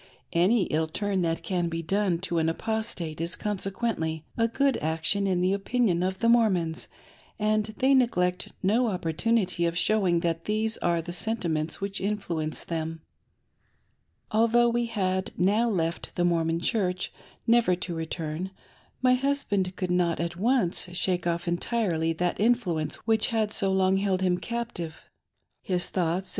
Any ill turn that can be done to an Apostate is consequently a good action in the opinion of the Mormons, and they neglect no opportunity of showing that these afe the sentiments which influence them. Although we had now left the Mormon Church, never to return, my husband could not at once shake off entirely that influence which had so long held him captive. His thoughts 600 BEGINNIXG LIFE AFRESH.; 3.